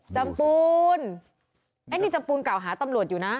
จำปูนอันนี้จำปูนเก่าหาตำรวจอยู่นะ